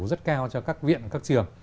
rất cao cho các viện các trường